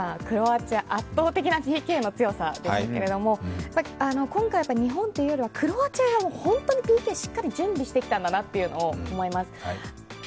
今回、クロアチア圧倒的なＰＫの強さでしたけれども今回、日本というよりはクロアチアがホントにＰＫしっかり準備してきたんだなと思います。